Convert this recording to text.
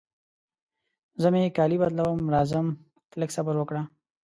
زه مې کالي بدلوم، راځم ته لږ صبر وکړه.